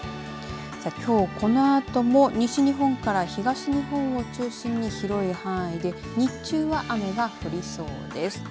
さあきょう、このあとも西日本から東日本を中心に広い範囲で日中は雨が降りそうです。